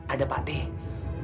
ada pak d